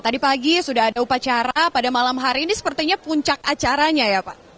tadi pagi sudah ada upacara pada malam hari ini sepertinya puncak acaranya ya pak